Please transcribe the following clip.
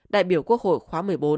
đại biểu quốc hội khóa một mươi bốn